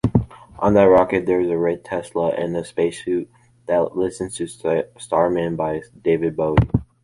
On that rocket there is a red Tesla and a space suit that listens to Starman by David Bowie.